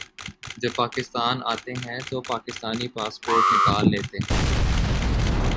جب پاکستان آتے ہیں تو پاکستانی پاسپورٹ نکال لیتے ہیں